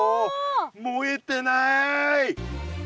燃えてない！